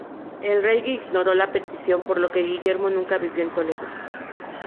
El rey ignoró la petición por lo que Guillermo nunca vivió en Toledo.